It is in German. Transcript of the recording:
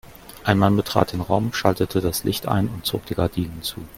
Ein Mann betrat den Raum, schaltete das Licht ein und zog die Gardinen zu.